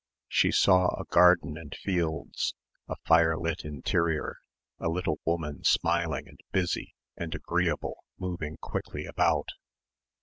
She saw a garden and fields, a firelit interior, a little woman smiling and busy and agreeable moving quickly about